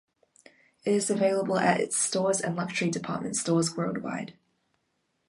It is available at its stores and luxury department stores worldwide.